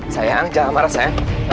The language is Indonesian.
sayang jangan marah sayang